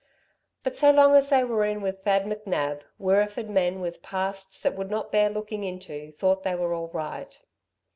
But so long as they were in with Thad McNab, Wirreeford men with pasts that would not bear looking into thought they were all right.